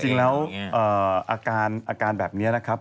จริงแล้วอาการอาการแบบนี้นะครับ